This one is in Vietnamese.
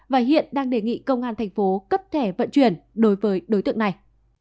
và hiện đang đề nghị công an thành phố cấp thẻ vận chuyển đối với đối tượng này